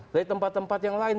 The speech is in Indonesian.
dari tempat tempat yang lain